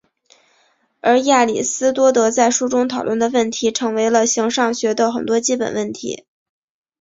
而亚里斯多德在书中讨论的问题成为了形上学的很多基本问题。